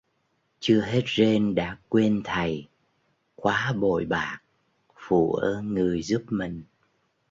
Chưa hết rên đã quên thầy: quá bội bạc, phụ ơn người giúp mình